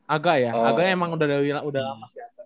aga ya aga emang udah udah lama